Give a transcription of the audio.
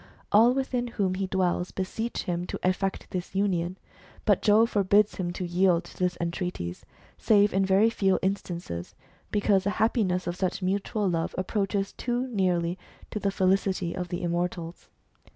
All within whom he dwells beseech him to effect this union ; but Jove forbids him to yield to their entreaties, save in very few instances, because the happiness of such mutual love approaches too nearly to the felicity of the immortals.